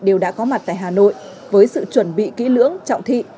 đều đã có mặt tại hà nội với sự chuẩn bị kỹ lưỡng trọng thị